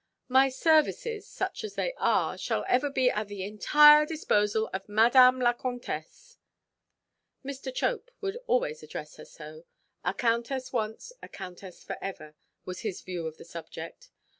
"My services, such as they are, shall ever be at the entire disposal of Madame la Comtesse." Mr. Chope would always address her so; "a countess once, a countess for ever," was his view of the subject.